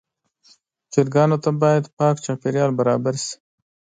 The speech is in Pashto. چرګانو ته باید پاک چاپېریال برابر شي.